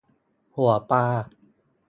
หัวปลา